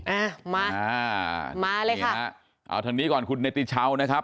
อ่ามาอ่ามาเลยค่ะเอาทางนี้ก่อนคุณเนติชาวนะครับ